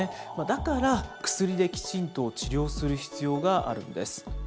だから、薬できちんと治療する必要があるんです。